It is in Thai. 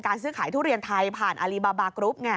การซื้อขายทุเรียนไทยผ่านอลีบาร์บาร์กรุ๊ปไง